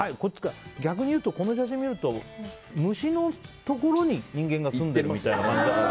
逆に言うと、この写真見ると虫のところに人間が住んでるみたいな感じですよね。